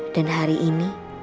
dan hari ini